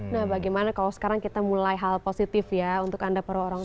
nah bagaimana kalau sekarang kita mulai hal positif ya untuk anda para orang tua